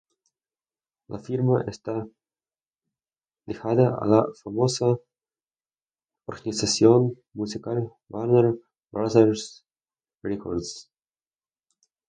La firma está ligada a la famosa organización musical Warner Brothers Records.